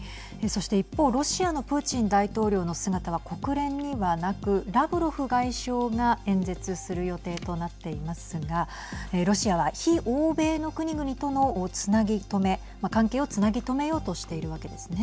そして一方ロシアのプーチン大統領の姿は国連にはなくラブロフ外相が演説する予定となっていますがロシアは非欧米の国々とのつなぎとめ関係をつなぎとめようとしているわけですね。